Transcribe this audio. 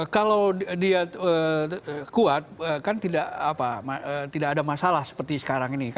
kalau dia kuat kan tidak ada masalah seperti sekarang ini